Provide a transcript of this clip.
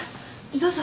どうぞ。